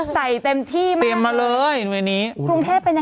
ใส่เต็มที่มาเลย